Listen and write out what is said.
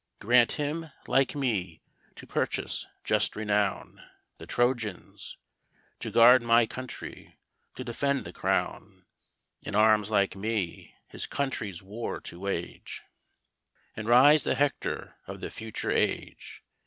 Grant him, like me, to purchase just renown, the Trojans To guard my country, to defend the crown: In arms like me, his country's war to wage, And rise the Hector of the future age!